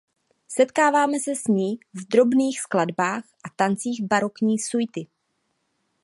Setkáváme se s ní v drobných skladbách a tancích barokní suity.